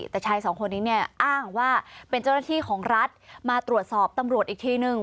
แต่ชายสองคนนี้เนี่ยอ้างว่าเป็นเจ้าหน้าที่ของรัฐมาตรวจสอบตำรวจอีกทีนึง